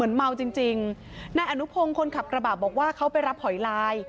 ในอนุพงศ์คนขับกระบาดบอกว่าเขาไปรับหอยลาย